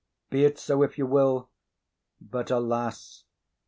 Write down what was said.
Be it so if you will; but, alas!